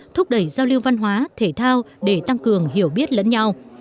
thúc đẩy giao lưu văn hóa thể thao để tăng cường hiểu biết lẫn nhau